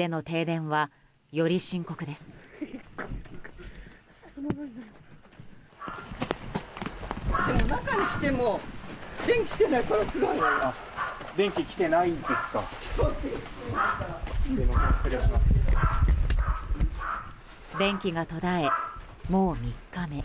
電気が途絶え、もう３日目。